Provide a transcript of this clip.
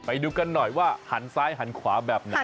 ไปดูกันหน่อยว่าหันซ้ายหันขวาแบบไหน